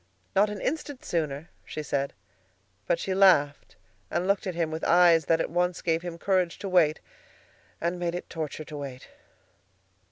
"Not an instant sooner," she said. But she laughed and looked at him with eyes that at once gave him courage to wait and made it torture to wait.